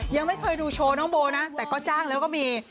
ยังไม่เคยดูโชว์น้องโบนะแต่ก็จ้างแล้วก็มี